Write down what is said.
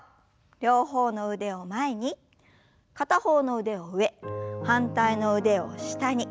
両方の腕を前に片方の腕は上反対の腕を下に。